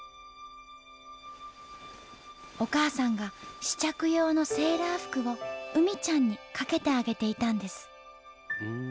お母さんが試着用のセーラー服をうみちゃんにかけてあげていたんです。